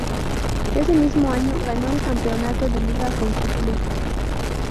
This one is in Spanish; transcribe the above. Ese mismo año ganó el campeonato de liga con su club.